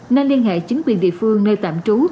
nên liên hệ chính quyền địa phương nơi tạm trú